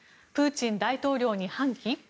プーチン大統領に反旗？